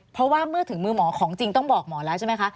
เพราะว่าเมื่อถึงมือหมอของจริงต้องบอกหมอแล้วใช่ไหมคะ